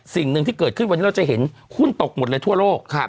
สิ่งหนึ่งที่เกิดขึ้นวันนี้เราจะเห็นหุ้นตกหมดเลยทั่วโลก